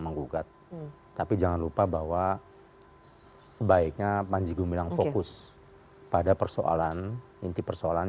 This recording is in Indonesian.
menggugat tapi jangan lupa bahwa sebaiknya panji gumilang fokus pada persoalan inti persoalan